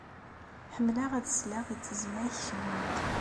Ḥemleɣ ad sleɣ i tezmak cennunt.